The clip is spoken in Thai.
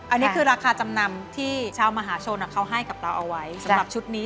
อันนี้คือราคาจำนำที่ชาวมหาชนเขาให้กับเราเอาไว้สำหรับชุดนี้